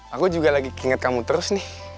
aku juga lagi keinget kamu terus nih